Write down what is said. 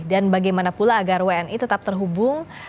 bagaimana pula agar wni tetap terhubung